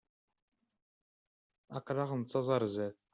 Aql-aɣ nettaẓ ar zdat.